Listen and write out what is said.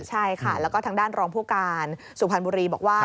ใช่ค่ะแล้วก็ทางด้านรองผู้การสุพรรณบุรีบอกว่า